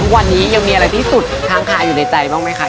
ยังมีอะไรที่สุดค้างคาอยู่ในใจบ้างไหมคะ